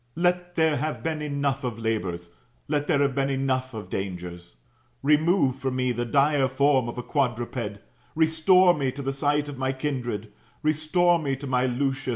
Let there have been enough of labours, let there have been enough of dangers. Remove from me the dire form of a quadruped, restore me to the sight of my kindred, restore me to my Lucius [1.